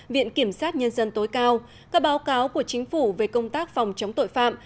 viện kiểm sát nhân dân tối cao các báo cáo của chính phủ về công tác phòng chống tội phạm